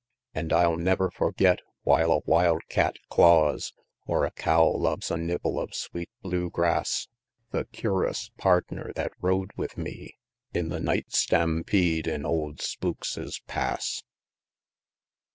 An' I'll never forget, while a wild cat claws, Or a cow loves a nibble of sweet blue grass, The cur'us pardner that rode with me In the night stampede in "Old Spookses Pass!"